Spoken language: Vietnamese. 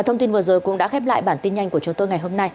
thông tin vừa rồi cũng đã khép lại bản tin nhanh của chúng tôi ngày hôm nay